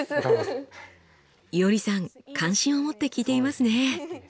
いおりさん関心を持って聞いていますね！